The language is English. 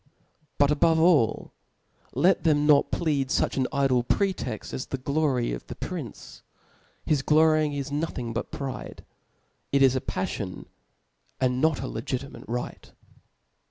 But above all, let them not plead fuch an idle pretext as the glory of the prince.: bis glory lax nothing but pride ; it is a paflion, and npt a Irgit^ mate right.